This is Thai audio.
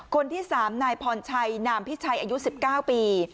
คนที่สามนายพรชัยนามพิชัยอายุสิบเก้าปี